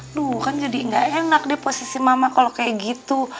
aduh kan jadi gak enak deh posisi mama kalau kayak gitu